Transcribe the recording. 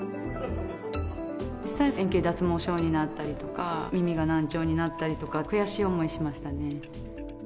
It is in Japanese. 円形脱毛症になったりとか、耳が難聴になったりとか、悔しい思いしましたね。